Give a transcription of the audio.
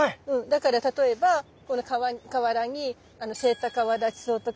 だから例えばこの河原にセイタカアワダチソウとかね